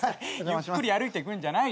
ゆっくり歩いてくるんじゃないよ。